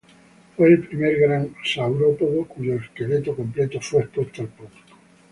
Fue el primer gran saurópodo cuyo esqueleto completo fue expuesto al público.